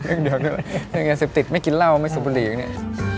เรื่องยาเสพติดไม่กินเหล้าไม่สูบบุหรี่เนี่ย